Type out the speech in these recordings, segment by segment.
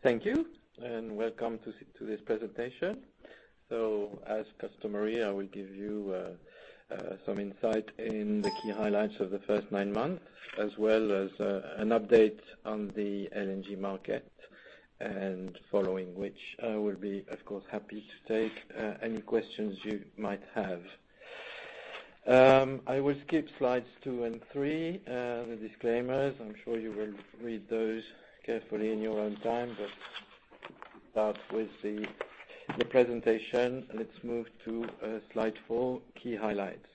Thank you, and welcome to this presentation. So, as customary, I will give you some insight in the key highlights of the first nine months, as well as an update on the LNG market, and following which, I will be, of course, happy to take any questions you might have. I will skip slides two and three, the disclaimers. I'm sure you will read those carefully in your own time, but start with the presentation. Let's move to slide four, key highlights.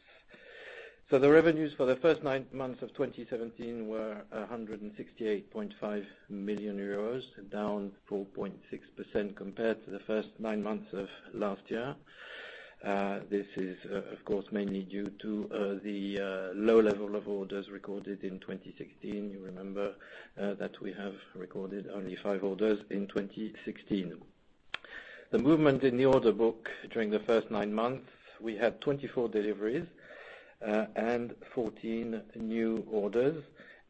So, the revenues for the first nine months of 2017 were 168.5 million euros, down 4.6% compared to the first nine months of last year. This is, of course, mainly due to the low level of orders recorded in 2016. You remember that we have recorded only five orders in 2016. The movement in the order book during the first 9 months: we had 24 deliveries and 14 new orders,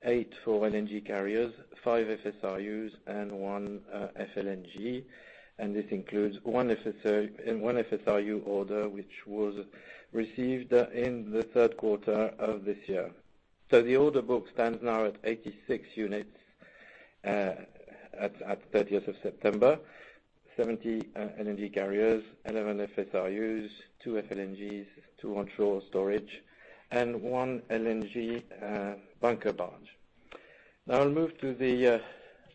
8 for LNG carriers, 5 FSRUs, and 1 FLNG. And this includes 1 FSRU order which was received in the third quarter of this year. So, the order book stands now at 86 units at the 30th of September, 70 LNG carriers, 11 FSRUs, 2 FLNGs, 2 onshore storage, and 1 LNG bunker barge. Now, I'll move to the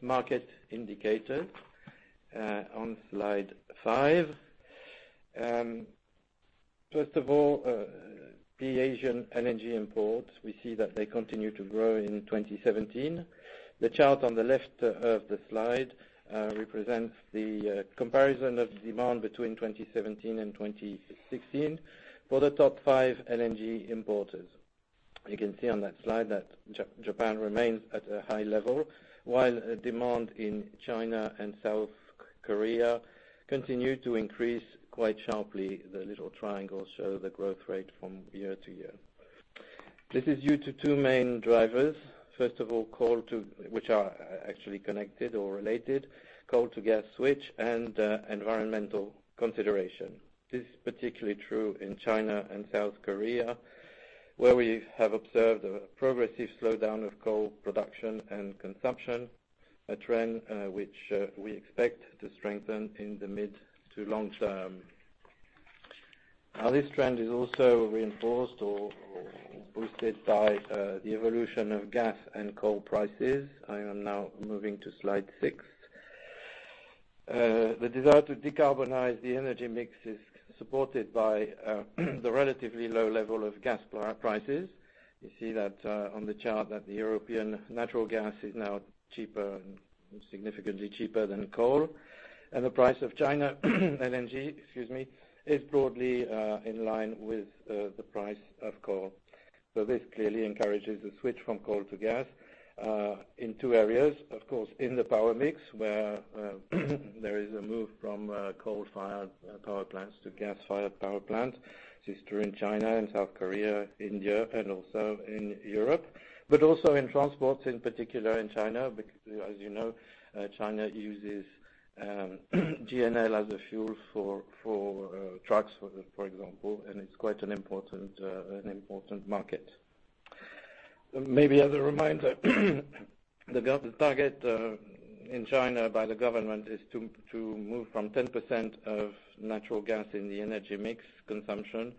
market indicators on slide 5. First of all, the Asian LNG imports, we see that they continue to grow in 2017. The chart on the left of the slide represents the comparison of demand between 2017 and 2016 for the top 5 LNG importers. You can see on that slide that Japan remains at a high level, while demand in China and South Korea continued to increase quite sharply. The little triangles show the growth rate from year to year. This is due to two main drivers, first of all, which are actually connected or related: coal-to-gas switch and environmental consideration. This is particularly true in China and South Korea, where we have observed a progressive slowdown of coal production and consumption, a trend which we expect to strengthen in the mid to long term. Now, this trend is also reinforced or boosted by the evolution of gas and coal prices. I am now moving to slide six. The desire to decarbonize the energy mix is supported by the relatively low level of gas prices. You see that on the chart that the European natural gas is now cheaper, significantly cheaper than coal. And the price of China LNG, excuse me, is broadly in line with the price of coal. So, this clearly encourages a switch from coal to gas in two areas. Of course, in the power mix, where there is a move from coal-fired power plants to gas-fired power plants, this is true in China and South Korea, India, and also in Europe, but also in transports, in particular in China, because, as you know, China uses LNG as a fuel for trucks, for example, and it's quite an important market. Maybe as a reminder, the target in China by the government is to move from 10% of natural gas in the energy mix consumption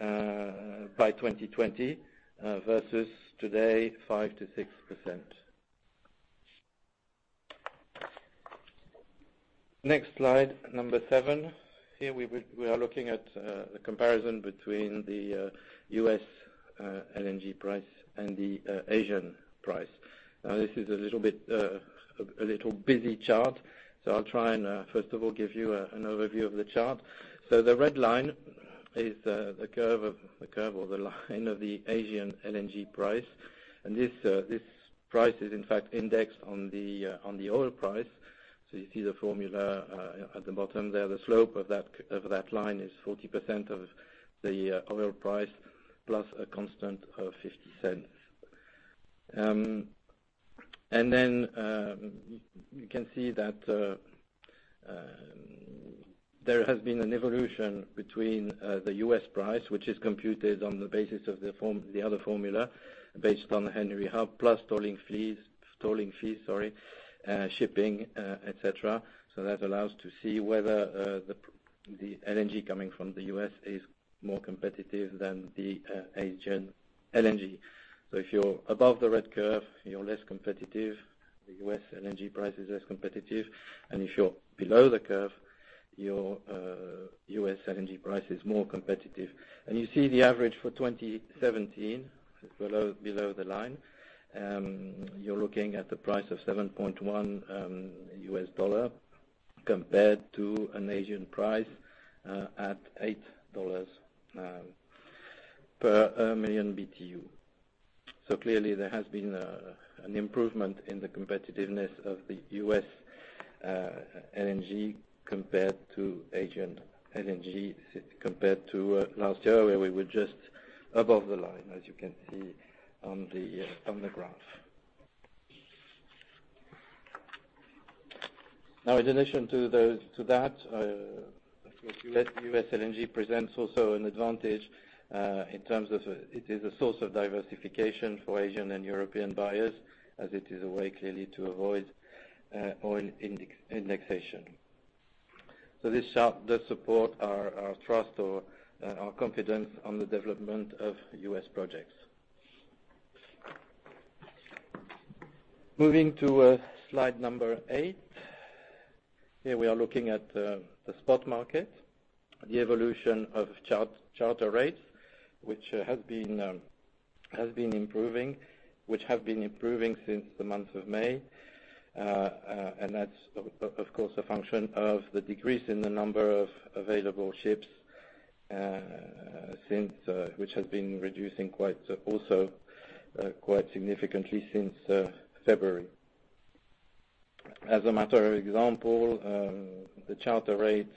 by 2020 versus today, 5%-6%. Next slide, number seven. Here, we are looking at the comparison between the US LNG price and the Asian price. Now, this is a little bit of a busy chart, so I'll try and, first of all, give you an overview of the chart. So, the red line is the curve or the line of the Asian LNG price, and this price is, in fact, indexed on the oil price. So, you see the formula at the bottom there. The slope of that line is 40% of the oil price plus a constant of $0.50. And then, you can see that there has been an evolution between the U.S. price, which is computed on the basis of the other formula based on Henry Hub plus tolling fees, sorry, shipping, etc. So, that allows us to see whether the LNG coming from the U.S. is more competitive than the Asian LNG. So, if you're above the red curve, you're less competitive. The U.S. LNG price is less competitive. And if you're below the curve, your U.S. LNG price is more competitive. And you see the average for 2017 below the line. You're looking at the price of $7.1 compared to an Asian price at $8 per million BTU. So, clearly, there has been an improvement in the competitiveness of the U.S. LNG compared to Asian LNG compared to last year, where we were just above the line, as you can see on the graph. Now, in addition to that, U.S. LNG presents also an advantage in terms of it is a source of diversification for Asian and European buyers, as it is a way clearly to avoid oil indexation. So, this chart does support our trust or our confidence on the development of U.S. projects. Moving to slide number 8, here we are looking at the spot market, the evolution of charter rates, which has been improving, which have been improving since the month of May. That's, of course, a function of the decrease in the number of available ships, which has been reducing quite also quite significantly since February. As a matter of example, the charter rates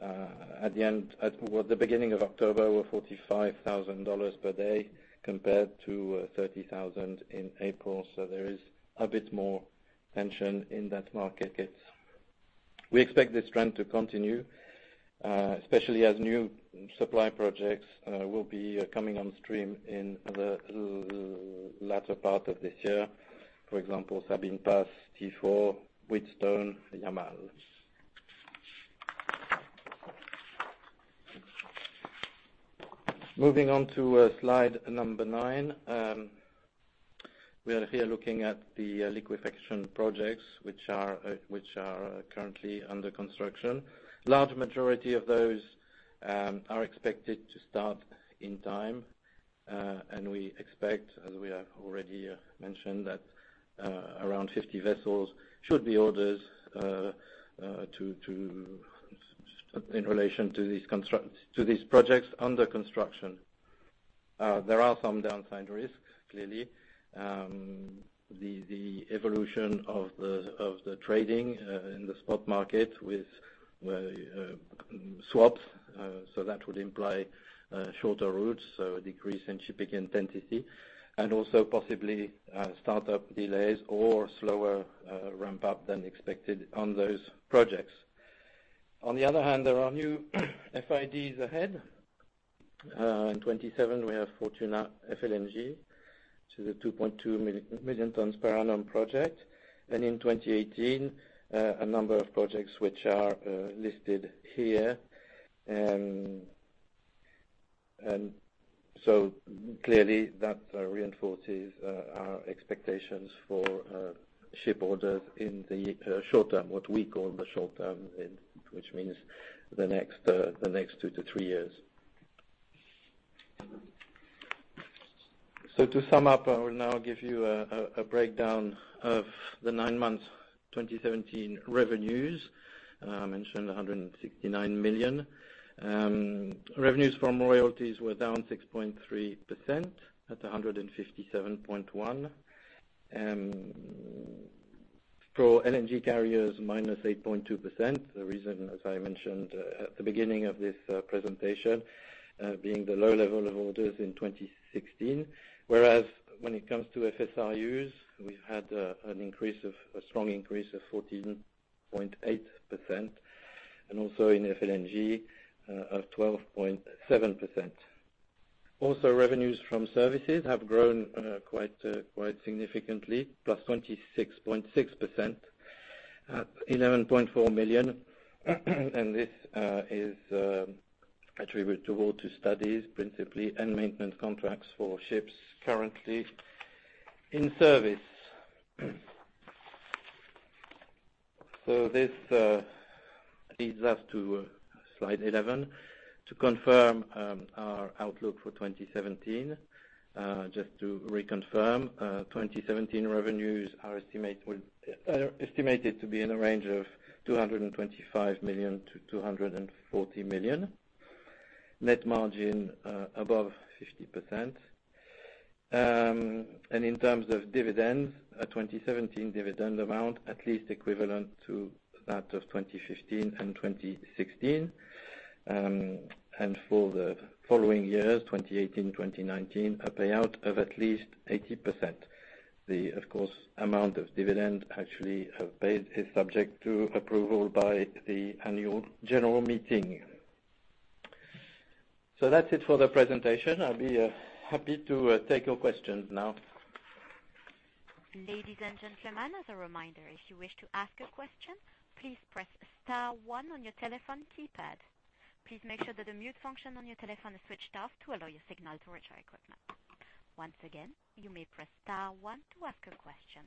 at the beginning of October were $45,000 per day compared to $30,000 in April. There is a bit more tension in that market. We expect this trend to continue, especially as new supply projects will be coming on stream in the latter part of this year, for example, Sabine Pass T4, Wheatstone, Yamal. Moving on to slide number nine, we are here looking at the liquefaction projects, which are currently under construction. The large majority of those are expected to start in time, and we expect, as we have already mentioned, that around 50 vessels should be ordered in relation to these projects under construction. There are some downside risks, clearly. The evolution of the trading in the spot market with swaps, so that would imply shorter routes, so a decrease in shipping intensity, and also possibly startup delays or slower ramp-up than expected on those projects. On the other hand, there are new FIDs ahead. In 2027, we have Fortuna FLNG, which is a 2.2 million tons per annum project. In 2018, a number of projects which are listed here. So, clearly, that reinforces our expectations for ship orders in the short term, what we call the short term, which means the next two to three years. So, to sum up, I will now give you a breakdown of the nine months' 2017 revenues. I mentioned 169 million. Revenues from royalties were down 6.3% at 157.1 million. For LNG carriers, -8.2%. The reason, as I mentioned at the beginning of this presentation, being the low level of orders in 2016. Whereas when it comes to FSRUs, we've had an increase of a strong increase of 14.8%, and also in FLNG of 12.7%. Also, revenues from services have grown quite significantly, +26.6% at EUR 11.4 million. This is attributable to studies, principally, and maintenance contracts for ships currently in service. This leads us to slide 11 to confirm our outlook for 2017. Just to reconfirm, 2017 revenues are estimated to be in the range of 225 million-240 million, net margin above 50%. In terms of dividends, a 2017 dividend amount at least equivalent to that of 2015 and 2016. For the following years, 2018, 2019, a payout of at least 80%. Of course, the amount of dividend actually paid is subject to approval by the annual general meeting. So, that's it for the presentation. I'll be happy to take your questions now. Ladies and gentlemen, as a reminder, if you wish to ask a question, please press star one on your telephone keypad. Please make sure that the mute function on your telephone is switched off to allow your signal to reach our equipment. Once again, you may press star one to ask a question.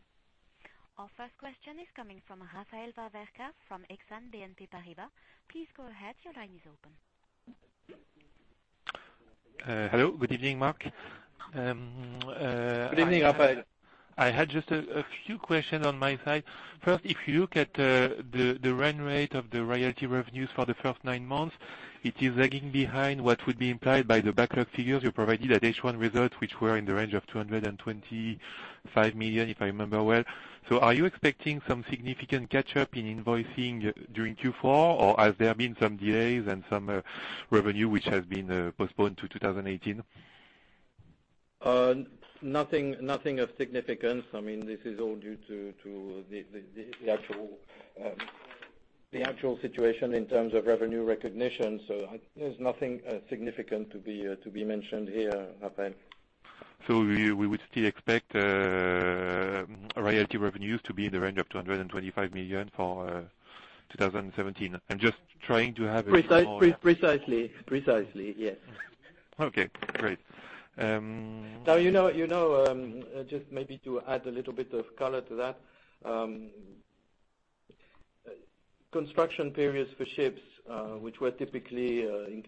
Our first question is coming from Raphaël Veverka from Exane BNP Paribas. Please go ahead. Your line is open. Hello. Good evening Good evening, Raphaël. I had just a few questions on my side. First, if you look at the run rate of the royalty revenues for the first nine months, it is lagging behind what would be implied by the backlog figures you provided at H1 results, which were in the range of 225 million, if I remember well. So, are you expecting some significant catch-up in invoicing during Q4, or has there been some delays and some revenue which has been postponed to 2018? Nothing of significance. I mean, this is all due to the actual situation in terms of revenue recognition. So, there's nothing significant to be mentioned here, Raphaël. We would still expect royalty revenues to be in the range of 225 million for 2017. I'm just trying to have a clearer. Precisely. Precisely. Yes. Okay. Great. Now, you know, just maybe to add a little bit of color to that, construction periods for ships, which were typically,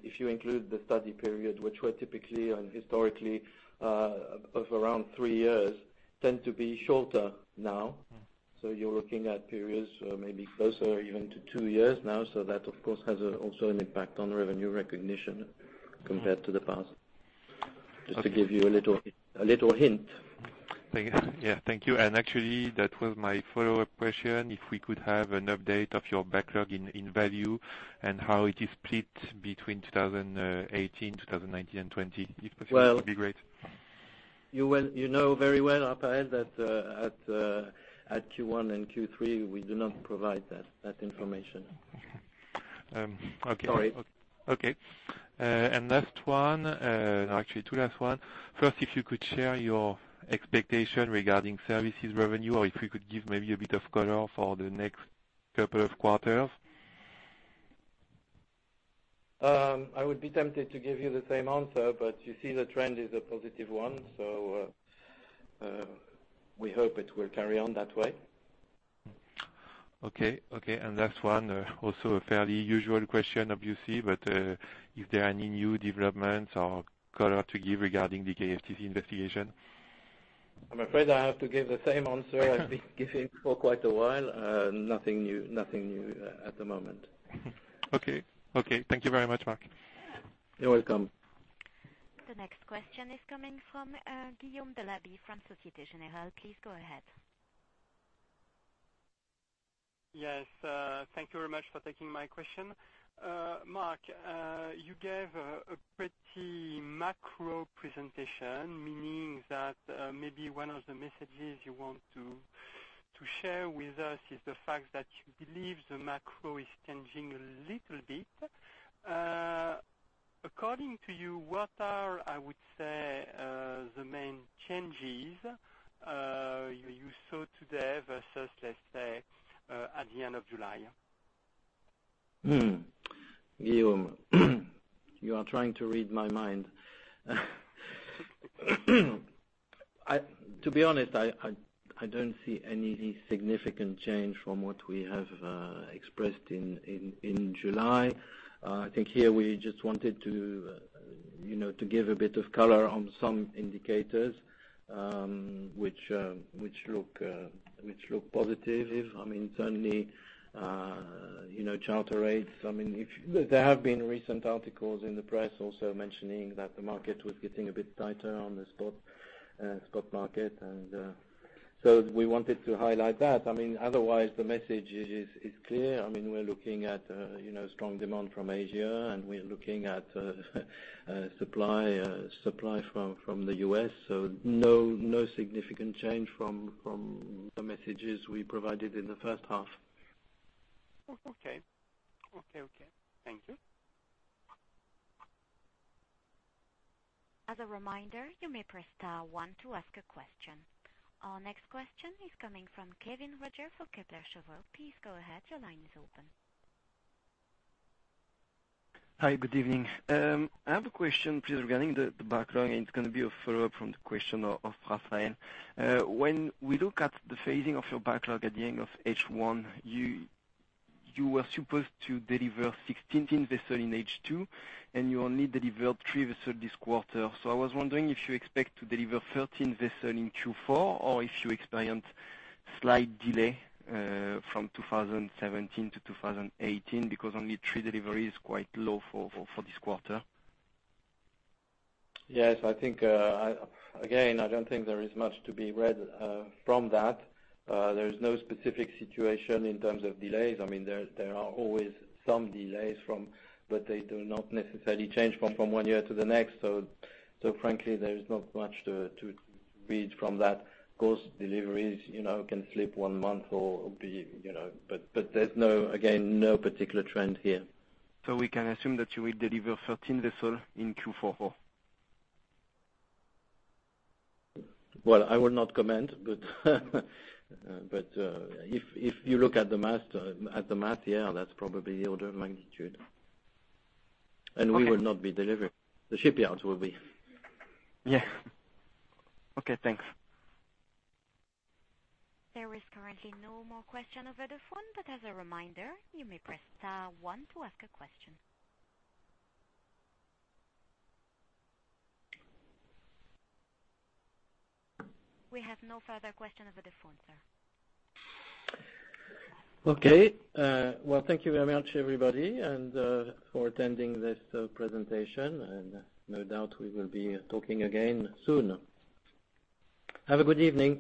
if you include the study period, which were typically and historically of around three years, tend to be shorter now. So, you're looking at periods maybe closer even to two years now. So, that, of course, has also an impact on revenue recognition compared to the past, just to give you a little hint. Yeah. Thank you. And actually, that was my follow-up question, if we could have an update of your backlog in value and how it is split between 2018, 2019, and 2020. If possible, that would be great. You know very well, Raphaël, that at Q1 and Q3, we do not provide that information. Okay. Sorry. Okay. And last one, actually, two last ones. First, if you could share your expectation regarding services revenue, or if we could give maybe a bit of color for the next couple of quarters. I would be tempted to give you the same answer, but you see the trend is a positive one, so we hope it will carry on that way. Okay. Okay. And last one, also a fairly usual question, obviously, but if there are any new developments or color to give regarding the KFTC investigation? I'm afraid I have to give the same answer I've been giving for quite a while. Nothing new at the moment. Okay. Okay. Thank you very much. You're welcome. The next question is coming from Guillaume Delaby from Société Générale. Please go ahead. Yes. Thank you very much for taking my question, you gave a pretty macro presentation, meaning that maybe one of the messages you want to share with us is the fact that you believe the macro is changing a little bit. According to you, what are, I would say, the main changes you saw today versus, let's say, at the end of July? Guillaume, you are trying to read my mind. To be honest, I don't see any significant change from what we have expressed in July. I think here we just wanted to give a bit of color on some indicators which look positive. I mean, certainly, charter rates, I mean, there have been recent articles in the press also mentioning that the market was getting a bit tighter on the spot market. And so, we wanted to highlight that. I mean, otherwise, the message is clear. I mean, we're looking at strong demand from Asia, and we're looking at supply from the U.S. So, no significant change from the messages we provided in the first half. Okay. Okay. Okay. Thank you. As a reminder, you may press star one to ask a question. Our next question is coming from Kevin Roger from Kepler Cheuvreux. Please go ahead. Your line is open. Hi. Good evening. I have a question, please, regarding the backlog. And it's going to be a follow-up from the question of Raphaël. When we look at the phasing of your backlog at the end of H1, you were supposed to deliver 16 vessels in H2, and you only delivered 3 vessels this quarter. So, I was wondering if you expect to deliver 13 vessels in Q4, or if you experience slight delay from 2017 to 2018, because only 3 deliveries is quite low for this quarter. Yes. I think, again, I don't think there is much to be read from that. There is no specific situation in terms of delays. I mean, there are always some delays, but they do not necessarily change from one year to the next. So, frankly, there is not much to read from that. Of course, deliveries can slip one month or be, but there's no, again, no particular trend here. We can assume that you will deliver 13 vessels in Q4? Well, I will not comment, but if you look at the math, yeah, that's probably order of magnitude. We will not be delivering. The shipyards will be. Yeah. Okay. Thanks. There is currently no more questions over the phone, but as a reminder, you may press star one to ask a question. We have no further questions over the phone, sir. Okay. Well, thank you very much, everybody, and for attending this presentation. No doubt, we will be talking again soon. Have a good evening.